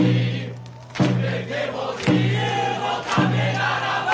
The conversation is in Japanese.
「捨てても自由のためならば」